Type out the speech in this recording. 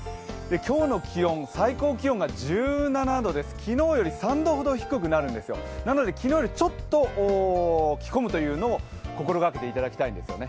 今日の気温、最高気温が、１７度です昨日より３度より低くなるんですよなので昨日よりちょっと着込むというのを心がけていただきたいですね。